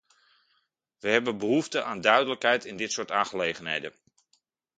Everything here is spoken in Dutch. We hebben behoefte aan duidelijkheid in dit soort aangelegenheden.